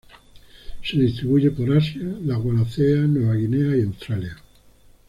Se distribuyen por Asia, la Wallacea, Nueva Guinea y Australia.